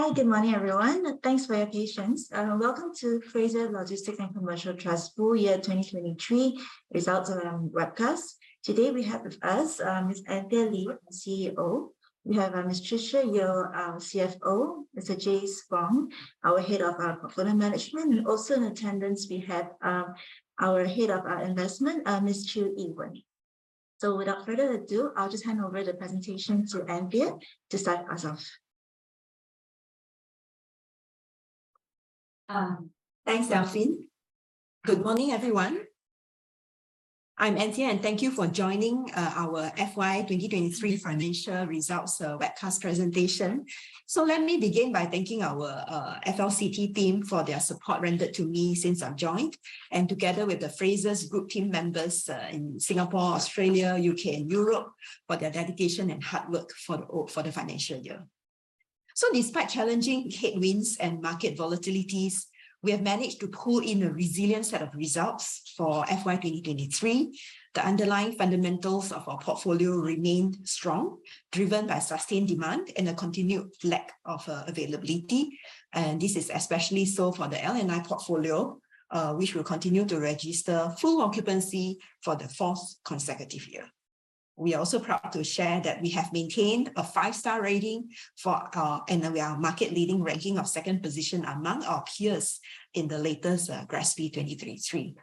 Hi, good morning, everyone. Thanks for your patience. Welcome to Frasers Logistics & Commercial Trust Full Year 2023 Results Webcast. Today we have with us, Ms. Anthea Lee, our CEO. We have Ms. Tricia Yeo, our CFO, Mr. Jayce Fong, our head of our portfolio management, and also in attendance we have our head of our investment, Mr. Chew Yiwen. Without further ado, I'll just hand over the presentation to Anthea to start us off. Thanks, Delphine. Good morning, everyone. I'm Anthea, and thank you for joining our FY 2023 financial results webcast presentation. Let me begin by thanking our FLCT team for their support rendered to me since I've joined, and together with the Frasers Group team members in Singapore, Australia, U.K., and Europe for their dedication and hard work for the financial year. Despite challenging headwinds and market volatilities, we have managed to pull in a resilient set of results for FY 2023. The underlying fundamentals of our portfolio remain strong, driven by sustained demand and a continued lack of availability. This is especially so for the L&I portfolio, which will continue to register full occupancy for the fourth consecutive year. We are also proud to share that we have maintained a five-star rating, and our market leading ranking of second position among our peers in the latest GRESB 2023.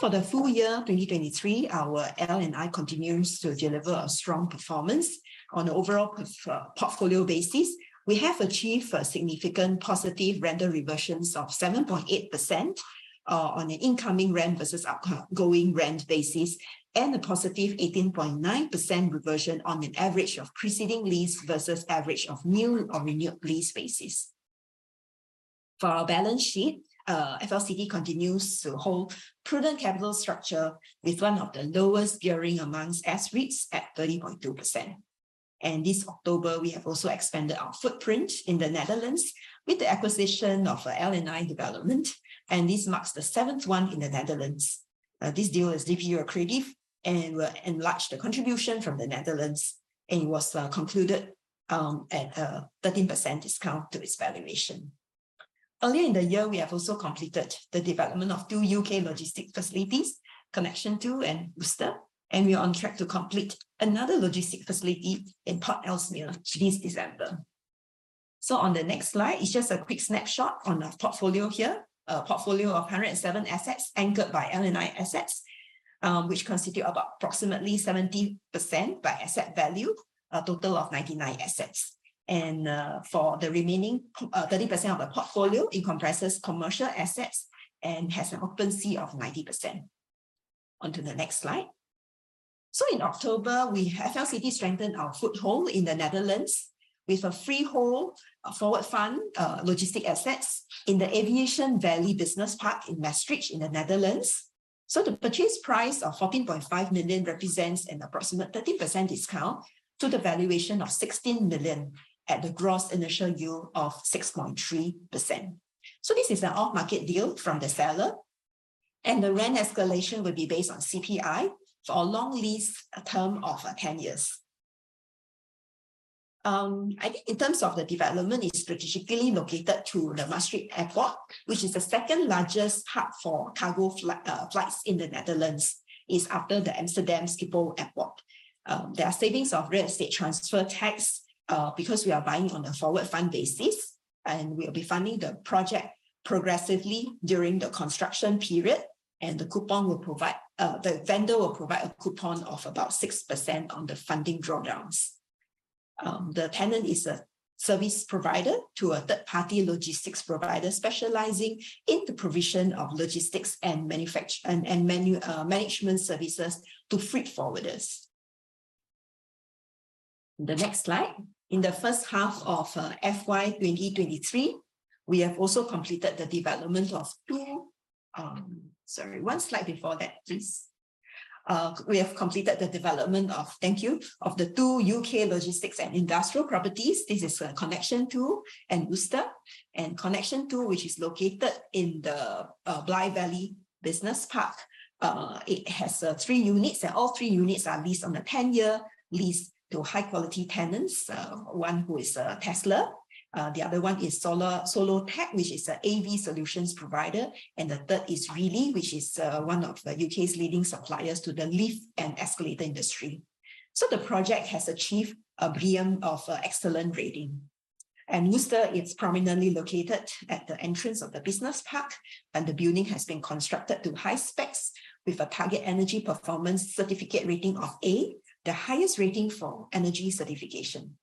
For the full year 2023, our L&I continues to deliver a strong performance. On the overall portfolio basis, we have achieved significant positive rental reversions of 7.8% on an incoming rent versus outgoing rent basis, and a positive 18.9% reversion on an average of preceding lease versus average of new or renewed lease basis. For our balance sheet, FLCT continues to hold prudent capital structure with one of the lowest gearing amongst S-REITs at 30.2%. This October, we have also expanded our footprint in the Netherlands with the acquisition of a L&I development, and this marks the seventh one in the Netherlands. This deal is DPU accretive and will enlarge the contribution from the Netherlands, and it was concluded at a 13% discount to its valuation. Earlier in the year, we have also completed the development of two U.K. logistic facilities, Connexion II and Worcester, and we are on track to complete another logistic facility in Port Ellesmere this December. On the next slide is just a quick snapshot on the portfolio here. A portfolio of 107 assets anchored by L&I assets, which constitute approximately 70% by asset value, a total of 99 assets. For the remaining 30% of the portfolio, it comprises commercial assets and has an occupancy of 90%. On to the next slide. In October, FLCT strengthened our foothold in the Netherlands with a freehold forward fund logistic assets in the Aviation Valley Business Park in Maastricht in the Netherlands. The purchase price of 14.5 million represents an approximate 13% discount to the valuation of 16 million at the gross initial yield of 6.3%. This is an off-market deal from the seller. The rent escalation will be based on CPI for a long lease term of 10 years. In terms of the development, it is strategically located to the Maastricht Airport, which is the second largest hub for cargo flights in the Netherlands. It is after the Amsterdam Schiphol Airport. There are savings of real estate transfer tax, because we are buying on a forward fund basis, and we will be funding the project progressively during the construction period. The vendor will provide a coupon of about 6% on the funding drawdowns. The tenant is a service provider to a third-party logistics provider specializing in the provision of logistics and management services to freight forwarders. The next slide. In the first half of FY 2023, we have also completed the development of two. Sorry, one slide before that, please. We have completed the development of, thank you, of the two U.K. logistics and industrial properties. This is Connexion II and Worcester. Connexion II, which is located in the Blythe Valley Park. It has three units, and all three units are leased on a 10-year lease to high-quality tenants. One who is Tesla, the other one is Solotech, which is a AV solutions provider, and the third is Reeley, which is one of the U.K.'s leading suppliers to the lift and escalator industry. The project has achieved a BREEAM of excellent rating. Worcester is prominently located at the entrance of the business park, and the building has been constructed to high specs with a target energy performance certificate rating of A, the highest rating for energy certification.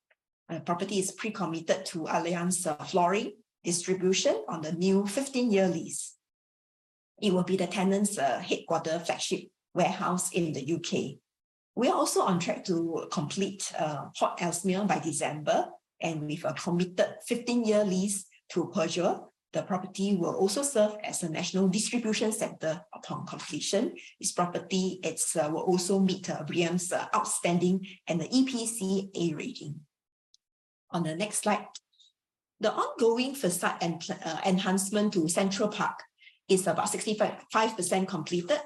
The property is pre-committed to Alliance Flooring Distribution on the new 15-year lease. It will be the tenant's headquarter flagship warehouse in the U.K. We are also on track to complete Port Ellesmere by December, and with a committed 15-year lease to Persimmon. The property will also serve as a national distribution center upon completion. This property will also meet the BREEAM's outstanding and the EPC A rating. On the next slide. The ongoing facade enhancement to Central Park is about 65% completed.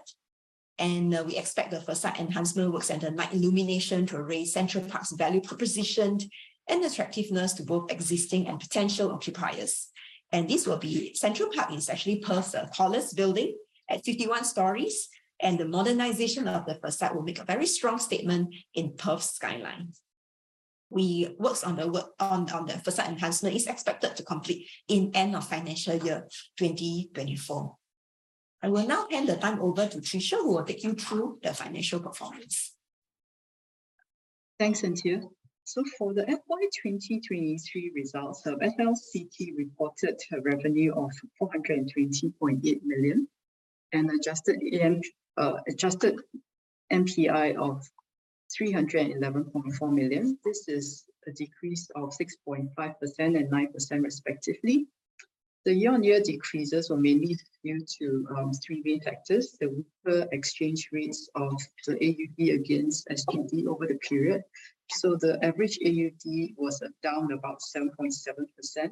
We expect the facade enhancement works and the night illumination to raise Central Park's value proposition and attractiveness to both existing and potential occupiers. Central Park is actually Perth's tallest building at 51 stories, and the modernization of the facade will make a very strong statement in Perth's skyline. Works on the facade enhancement is expected to complete in end of financial year 2024. I will now hand the time over to Tricia, who will take you through the financial performance. Thanks, Anthea. For the FY 2023 results, FLCT reported a revenue of 420.8 million and adjusted NPI of 311.4 million. This is a decrease of 6.5% and 9% respectively. The year-over-year decreases were mainly due to three main factors, the weaker exchange rates of the AUD against SGD over the period. The average AUD was down about 7.7%,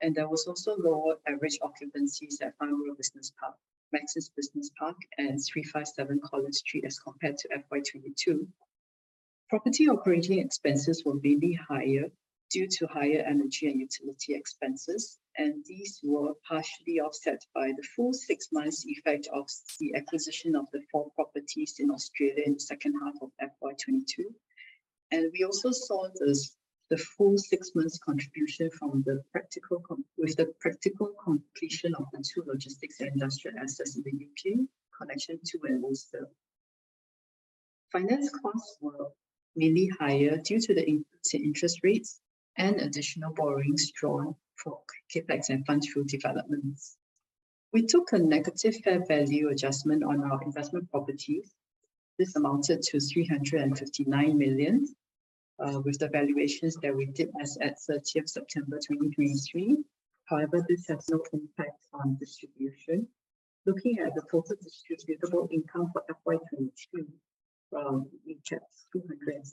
and there was also lower average occupancies at Farnborough Business Park, Maxis Business Park, and 357 Collins Street as compared to FY 2022. Property operating expenses were mainly higher due to higher energy and utility expenses, and these were partially offset by the full six months effect of the acquisition of the four properties in Australia in the second half of FY 2022. We also saw the full six months contribution with the practical completion of the two logistics industrial assets in the U.K., Connexion II and Worcester. Finance costs were mainly higher due to the increase in interest rates and additional borrowings drawn for CapEx and funds flow developments. We took a negative fair value adjustment on our investment properties. This amounted to 359 million, with the valuations that we did as at 30th September 2023. However, this has no impact on distribution. Looking at the total distributable income for FY 2022, which is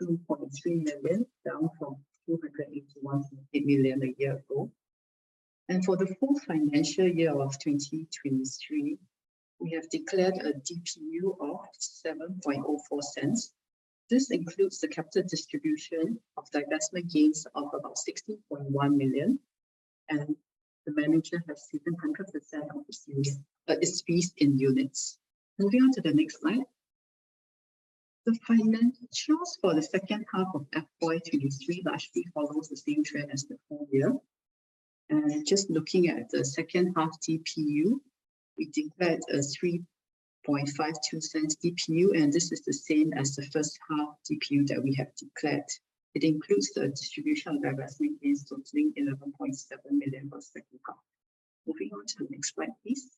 272.3 million, down from 281.3 million a year ago. For the full financial year of 2023, we have declared a DPU of 0.0704. This includes the capital distribution of divestment gains of about 16.1 million, and the manager has taken 100% of the SPs in units. Moving on to the next slide. The financials for the second half of FY 2023 largely follows the same trend as the full year. Just looking at the second half DPU, we declared a 0.0352 DPU, and this is the same as the first half DPU that we have declared. It includes the distribution of divestment gains totaling 11.7 million for the second half. Moving on to the next slide, please.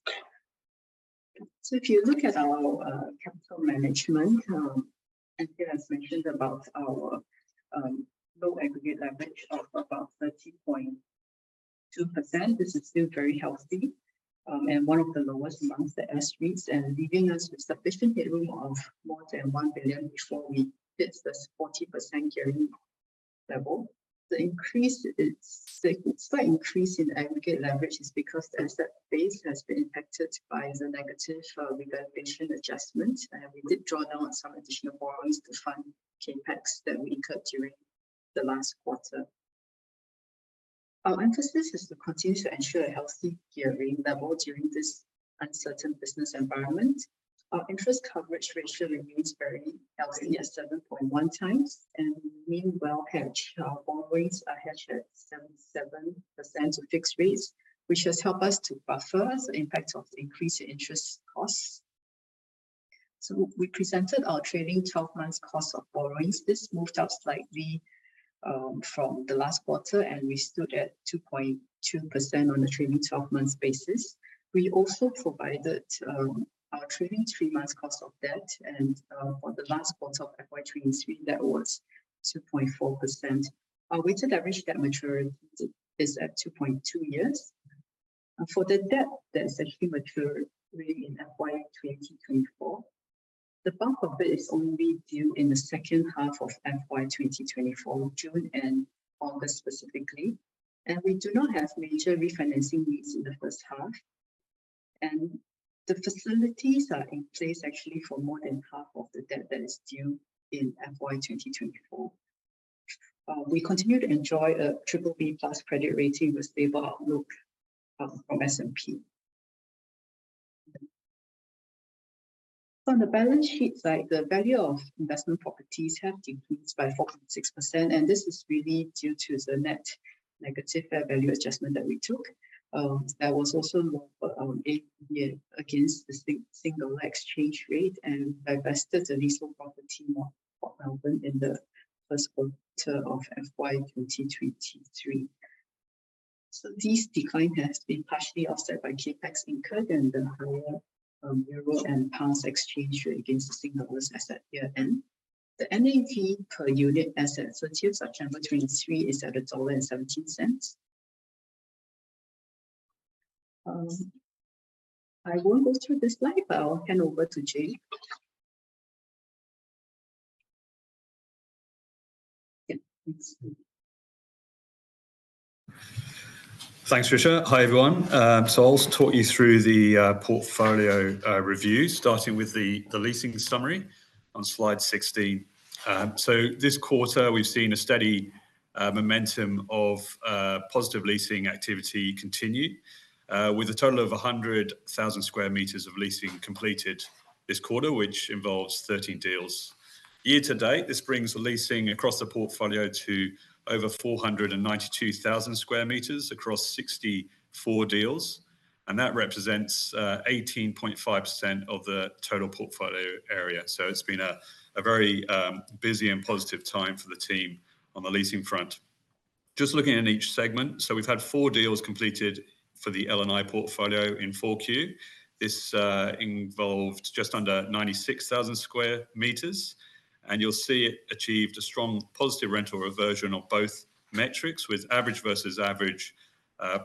If you look at our capital management, Anthea has mentioned about our low aggregate leverage of about 30.2%. This is still very healthy, and one of the lowest amongst the S-REITs and leaving us with sufficient headroom of more than 1 billion before we hit the 40% gearing level. The slight increase in aggregate leverage is because the asset base has been impacted by the negative revaluation adjustment. We did draw down some additional borrowings to fund CapEx that we incurred during the last quarter. Our emphasis is to continue to ensure a healthy gearing level during this uncertain business environment. Our interest coverage ratio remains very healthy at 7.1 times, and we mean well hedged. Our borrowings are hedged at 77% of fixed rates, which has helped us to buffer the impact of increased interest costs. We presented our trailing 12 months cost of borrowings. This moved up slightly from the last quarter, and we stood at 2.2% on a trailing 12 months basis. We also provided our trailing three months cost of debt, and for the last quarter of FY 2023, that was 2.4%. Our weighted average debt maturity is at 2.2 years. For the debt that is actually maturing in FY 2024, the bulk of it is only due in the second half of FY 2024, June and August specifically. We do not have major refinancing needs in the first half. The facilities are in place actually for more than half of the debt that is due in FY 2024. We continue to enjoy a BBB+ credit rating with stable outlook from S&P. On the balance sheet side, the value of investment properties have decreased by 4.6%, and this is really due to the net negative fair value adjustment that we took. There was also more AUD against the Singapore exchange rate and divested the leasehold property North Melbourne in the first quarter of FY 2023. This decline has been partially offset by CapEx incurred and the higher euro and pounds exchange rate against the Singapore dollar as at year-end. The NAV per unit as at 30th September 2023 is at SGD 1.17. I won't go through this slide, but I'll hand over to Jayce Fong. Thanks. Thanks, Tricia. Hi, everyone. I'll talk you through the portfolio review, starting with the leasing summary on slide 16. This quarter, we've seen a steady momentum of positive leasing activity continue, with a total of 100,000 sq m of leasing completed this quarter, which involves 13 deals. Year-to-date, this brings the leasing across the portfolio to over 492,000 sq m across 64 deals, and that represents 18.5% of the total portfolio area. It's been a very busy and positive time for the team on the leasing front. Just looking at each segment, we've had four deals completed for the L&I portfolio in 4Q. This involved just under 96,000 sq m, and you'll see it achieved a strong positive rental reversion of both metrics, with average versus average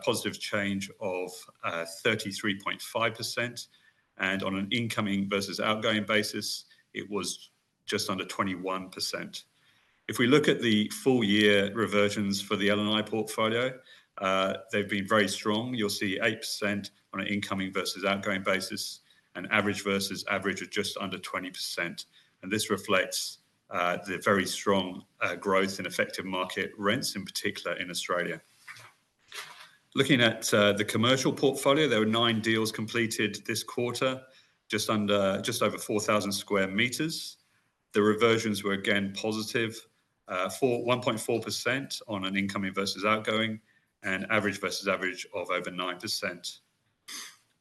positive change of 33.5%. On an incoming versus outgoing basis, it was just under 21%. If we look at the full year reversions for the L&I portfolio, they've been very strong. You'll see 8% on an incoming versus outgoing basis, and average versus average at just under 20%. This reflects the very strong growth in effective market rents, in particular in Australia. Looking at the commercial portfolio, there were nine deals completed this quarter, just over 4,000 sq m. The reversions were again positive, 1.4% on an incoming versus outgoing, and average versus average of over 9%.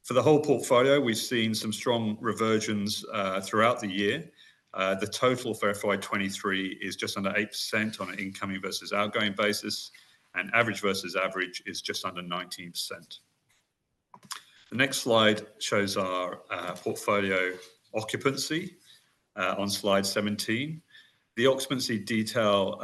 For the whole portfolio, we've seen some strong reversions throughout the year. The total for FY 2023 is just under 8% on an incoming versus outgoing basis, and average versus average is just under 19%. The next slide shows our portfolio occupancy on slide 17. The occupancy detail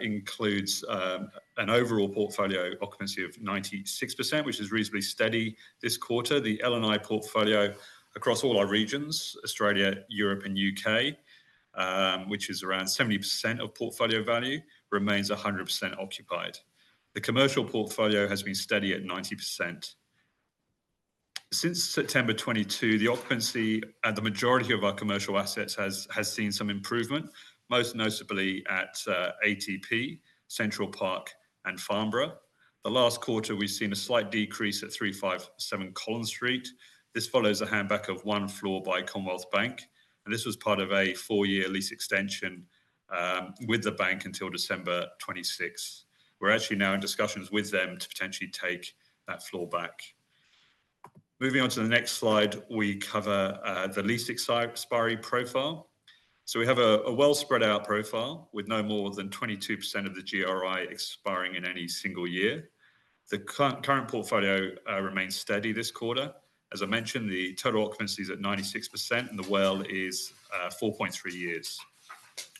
includes an overall portfolio occupancy of 96%, which is reasonably steady this quarter. The L&I portfolio across all our regions, Australia, Europe, and U.K., which is around 70% of portfolio value, remains 100% occupied. The commercial portfolio has been steady at 90%. Since September 2022, the occupancy at the majority of our commercial assets has seen some improvement, most notably at ATP, Central Park, and Farnborough. Last quarter, we've seen a slight decrease at 357 Collins Street. This follows the handback of one floor by Commonwealth Bank, and this was part of a 4-year lease extension with the bank until December 2026. We're actually now in discussions with them to potentially take that floor back. Moving on to the next slide, we cover the lease expiry profile. We have a well spread out profile with no more than 22% of the GRI expiring in any single year. The current portfolio remains steady this quarter. As I mentioned, the total occupancy is at 96%, and the WALE is 4.3 years.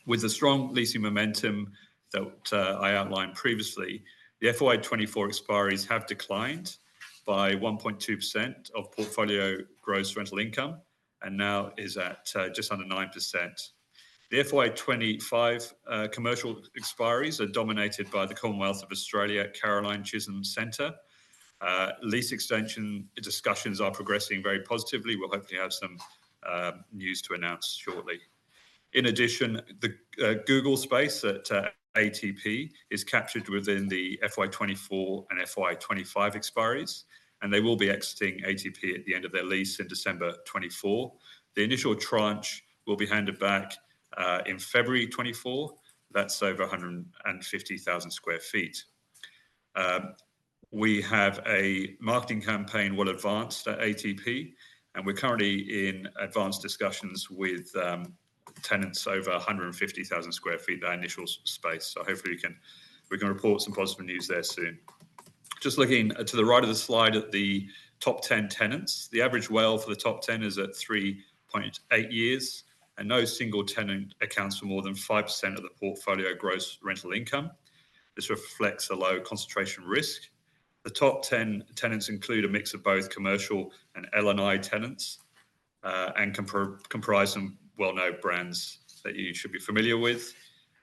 With the strong leasing momentum that I outlined previously, the FY 2024 expiries have declined by 1.2% of portfolio gross rental income and now is at just under 9%. The FY 2025 commercial expiries are dominated by the Commonwealth of Australia at Caroline Chisholm Centre. Lease extension discussions are progressing very positively. We will hopefully have some news to announce shortly. In addition, the Google space at ATP is captured within the FY 2024 and FY 2025 expiries, and they will be exiting ATP at the end of their lease in December 2024. The initial tranche will be handed back in February 2024. That is over 150,000 sq ft. We have a marketing campaign well advanced at ATP, and we are currently in advanced discussions with tenants over 150,000 sq ft, their initial space. Hopefully, we can report some positive news there soon. Just looking to the right of the slide at the top 10 tenants. The average WALE for the top 10 is at 3.8 years, and no single tenant accounts for more than 5% of the portfolio gross rental income. This reflects a low concentration risk. The top 10 tenants include a mix of both commercial and L&I tenants, and comprise some well-known brands that you should be familiar with.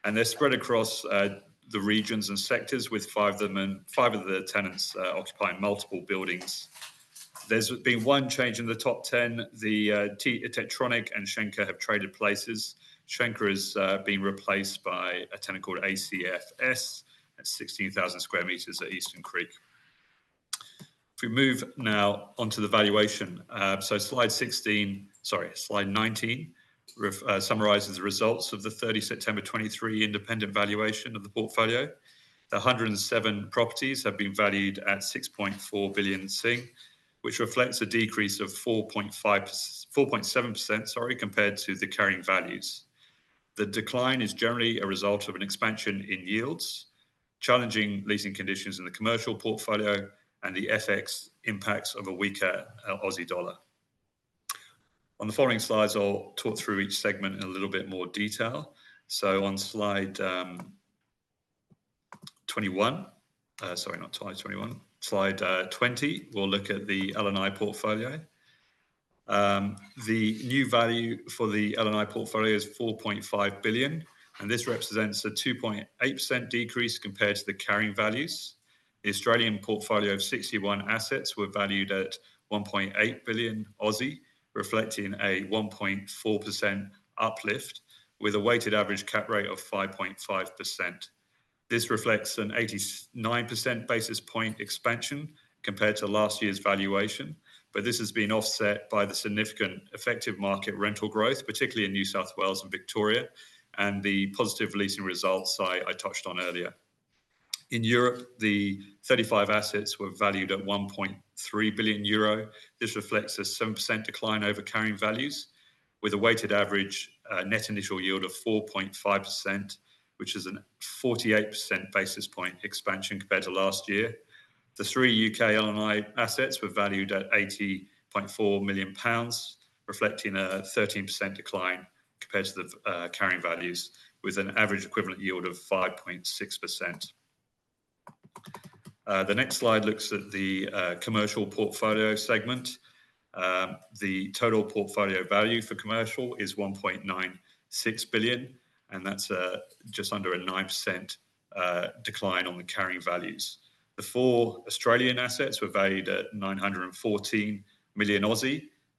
They are spread across the regions and sectors with five of the tenants occupying multiple buildings. There has been one change in the top 10. Technicolor and Schenker have traded places. Schenker is being replaced by a tenant called ACFS at 16,000 sq m at Eastern Creek. If we move now onto the valuation. Slide 16, slide 19 summarizes the results of the 30 September 2023 independent valuation of the portfolio. The 107 properties have been valued at 6.4 billion, which reflects a decrease of 4.5%, 4.7% compared to the carrying values. The decline is generally a result of an expansion in yields, challenging leasing conditions in the commercial portfolio, and the FX impacts of a weaker AUD. On the following slides, I will talk through each segment in a little bit more detail. On slide 2021. Not slide 21. Slide 20. We will look at the L&I portfolio. The new value for the L&I portfolio is 4.5 billion, and this represents a 2.8% decrease compared to the carrying values. The Australian portfolio of 61 assets were valued at 1.8 billion, reflecting a 1.4% uplift with a weighted average cap rate of 5.5%. This reflects an 89 basis point expansion compared to last year's valuation, but this has been offset by the significant effective market rental growth, particularly in New South Wales and Victoria, and the positive leasing results I touched on earlier. In Europe, the 35 assets were valued at 1.3 billion euro. This reflects a 7% decline over carrying values with a weighted average net initial yield of 4.5%, which is a 48 basis point expansion compared to last year. The three U.K. L&I assets were valued at 80.4 million pounds, reflecting a 13% decline compared to the carrying values with an average equivalent yield of 5.6%. The next slide looks at the commercial portfolio segment. The total portfolio value for commercial is 1.96 billion, and that is just under a 9% decline on the carrying values. The four Australian assets were valued at 914 million.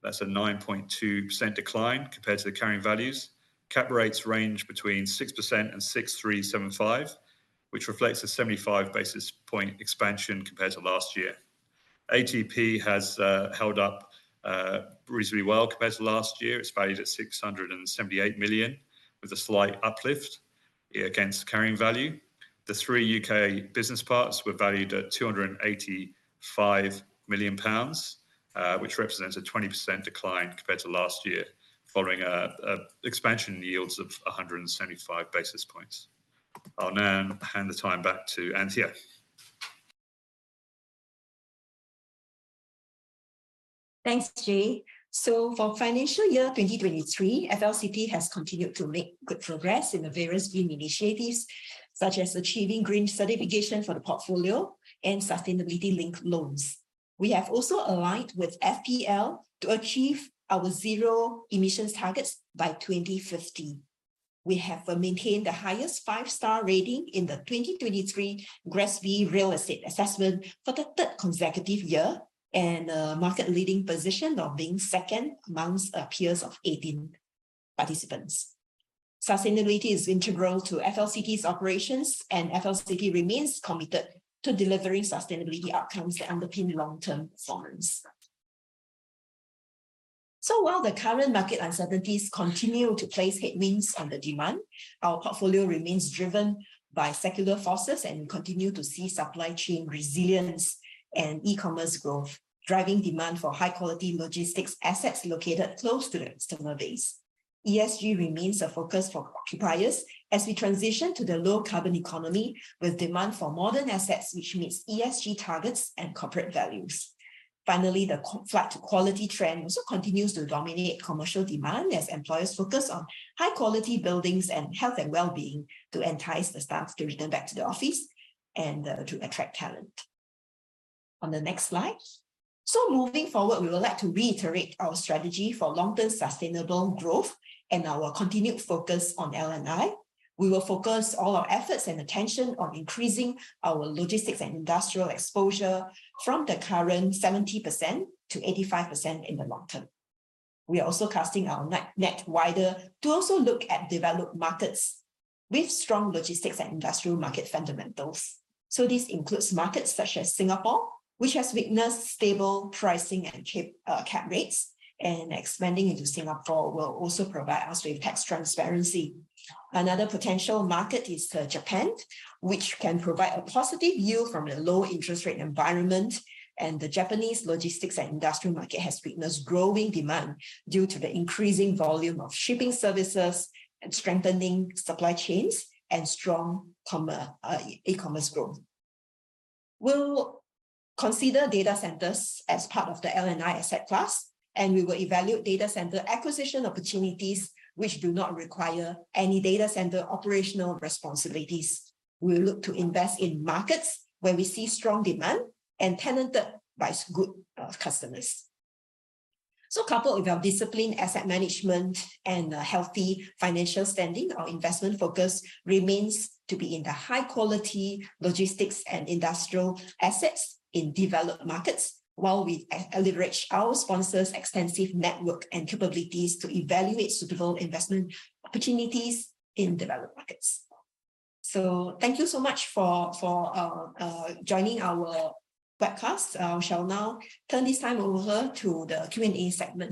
That's a 9.2% decline compared to the carrying values. Cap rates range between 6% and 6.375%, which reflects a 75 basis point expansion compared to last year. ATP has held up reasonably well compared to last year. It's valued at 678 million with a slight uplift against carrying value. The three U.K. business parks were valued at 285 million pounds, which represents a 20% decline compared to last year following an expansion in yields of 175 basis points. I'll now hand the time back to Anthea. Thanks, Jayce. For FY 2023, FLCT has continued to make good progress in the various green initiatives, such as achieving green certification for the portfolio and sustainability-linked loans. We have also aligned with FPL to achieve our zero emissions targets by 2050. We have maintained the highest five-star rating in the 2023 GRESB Real Estate assessment for the third consecutive year, and a market leading position of being second amongst our peers of 18 participants. Sustainability is integral to FLCT's operations, and FLCT remains committed to delivering sustainability outcomes that underpin long-term performance. While the current market uncertainties continue to place headwinds on the demand, our portfolio remains driven by secular forces and continue to see supply chain resilience and e-commerce growth, driving demand for high-quality logistics assets located close to the customer base. ESG remains a focus for occupiers as we transition to the low-carbon economy with demand for modern assets, which meets ESG targets and corporate values. Finally, the flight to quality trend also continues to dominate commercial demand as employers focus on high-quality buildings and health and wellbeing to entice the staff to return back to the office and to attract talent. On the next slide. Moving forward, we would like to reiterate our strategy for long-term sustainable growth and our continued focus on L&I. We will focus all our efforts and attention on increasing our logistics and industrial exposure from the current 70%-85% in the long term. We are also casting our net wider to also look at developed markets with strong logistics and industrial market fundamentals. This includes markets such as Singapore, which has witnessed stable pricing and cap rates, and expanding into Singapore will also provide us with tax transparency. Another potential market is Japan, which can provide a positive yield from the low interest rate environment, and the Japanese logistics and industrial market has witnessed growing demand due to the increasing volume of shipping services and strengthening supply chains and strong e-commerce growth. We'll consider data centers as part of the L&I asset class, and we will evaluate data center acquisition opportunities which do not require any data center operational responsibilities. We will look to invest in markets where we see strong demand and tenanted by good customers. Coupled with our disciplined asset management and healthy financial standing, our investment focus remains to be in the high-quality logistics and industrial assets in developed markets while we leverage our sponsors' extensive network and capabilities to evaluate suitable investment opportunities in developed markets. Thank you so much for joining our webcast. I shall now turn this time over to the Q&A segment